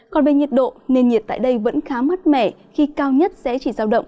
còn về nhiệt độ nền nhiệt tại đây vẫn khá mát mẻ khi cao nhất sẽ chỉ giao động